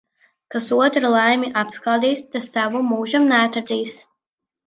Kas otra laimi apskaudīs, tas savu mūžam neatradīs.